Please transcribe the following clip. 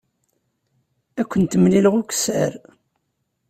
Ad kent-mlileɣ ukessar.